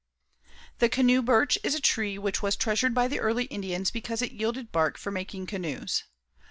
The canoe birch is a tree which was treasured by the early Indians because it yielded bark for making canoes.